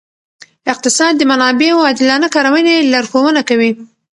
اقتصاد د منابعو عادلانه کارونې لارښوونه کوي.